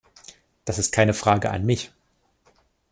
Das ist keine Frage an mich.